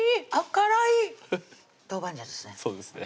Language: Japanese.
辛い豆板醤ですね